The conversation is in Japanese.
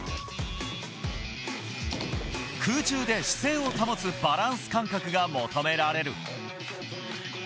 空中で姿勢を保つバランス感覚が求められる。